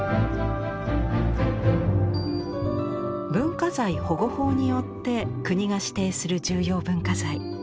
文化財保護法によって国が指定する重要文化財。